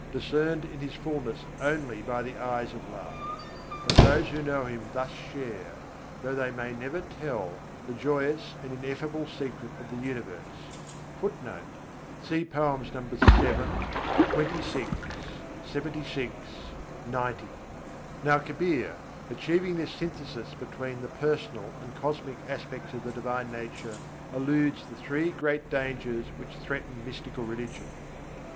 discerned in His fullness only by the eyes of love; and those who know Him thus share, though they may never tell, the joyous and ineffable secret of the universe. [Footnote: Nos. VII, XXVI, LXXVI, XC.] Now Kabîr, achieving this synthesis between the personal and cosmic aspects of the Divine Nature, eludes the three great dangers which threaten mystical religion.